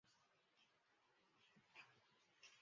出生于广岛县尾丸町的岛岛町的岩崎岛。